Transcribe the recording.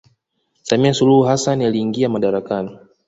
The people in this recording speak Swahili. Samia suluhu Hasasn aliingia madarakani